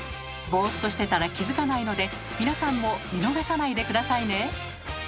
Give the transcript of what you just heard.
ボーっとしてたら気付かないので皆さんも見逃さないで下さいね。